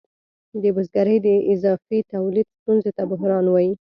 د بزګرۍ د اضافي تولید ستونزې ته بحران وايي